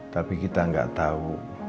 tapi kita gak tahu